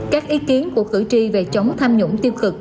các ý kiến của cử tri về chống tham nhũng tiêu cực